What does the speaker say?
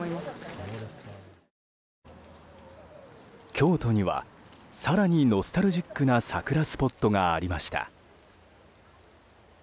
京都には更にノスタルジックな桜スポットがありました。